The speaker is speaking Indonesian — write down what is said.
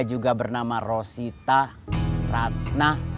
juga bernama rosita ratna